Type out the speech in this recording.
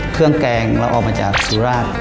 เครื่องแกงเราเอามาจากสุราช